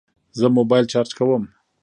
زه موبایل چارج کوم